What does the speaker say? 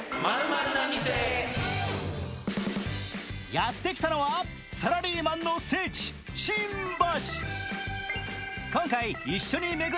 やってきたのは、サラリーマンの聖地・新橋。